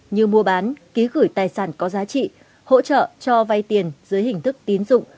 như mua bán ký gửi tài sản có giá trị hỗ trợ cho vay tiền dưới hình thức tín dụng